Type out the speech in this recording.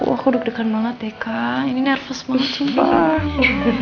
aku deg degan banget deh kak ini nervous banget sih